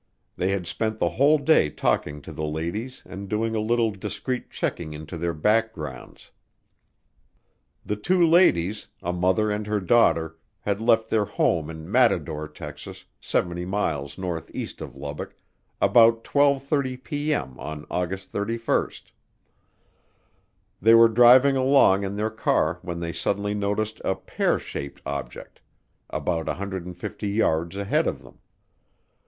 They had spent the whole day talking to the ladies and doing a little discreet checking into their backgrounds. The two ladies, a mother and her daughter, had left their home in Matador, Texas, 70 miles northeast of Lubbock, about twelve thirty P.M. on August 31. They were driving along in their car when they suddenly noticed "a pear shaped" object about 150 yards ahead of them.